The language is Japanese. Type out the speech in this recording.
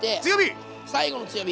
最後の強火！